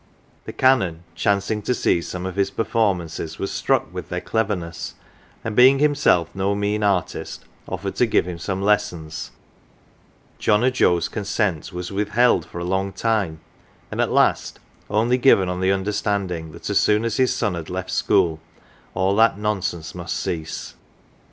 The Canon chancing to see some of his performances was struck with their 56 CELEBRITIES cleverness, and being himself no mean artist offered to give him some lessons. John o" 1 Joe's consent was with held for a long time, and at last only given on the understanding that as soon as his son had left school all that nonsense must cease.